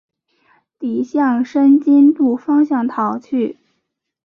敌向申津渡方向逃去。